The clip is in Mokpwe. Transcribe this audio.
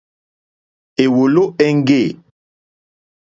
Èwòló éŋɡê.